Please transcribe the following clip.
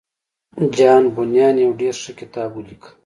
جان بونيان يو ډېر ښه کتاب وليکه.